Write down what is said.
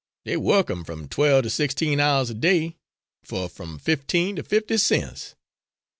They work 'em from twelve to sixteen hours a day for from fifteen to fifty cents.